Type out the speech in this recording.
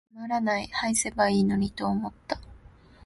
つまらない、癈せばいゝのにと思つた。